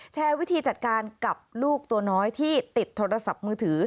แชร์วิธีจัดการกับลูกตัวน้อยที่ติดโทรศัพท์มือถือ